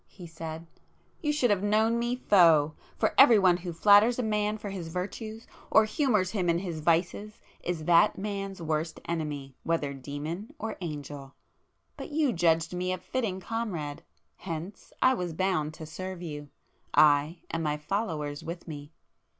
he said—"You should have known me Foe! For everyone who flatters a man for his virtues, or humours him in his vices is that man's worst enemy, whether demon or angel! But you judged me a fitting comrade,—hence I was bound to serve you,—I and my followers with me.